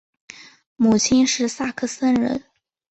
母亲是萨克森人。